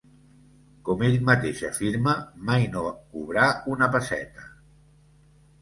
Com ell mateix afirmà, mai no cobrà una pesseta.